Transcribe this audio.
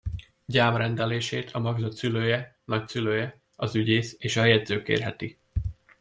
Gyám rendelését a magzat szülője, nagyszülője, az ügyész és a jegyző kérheti.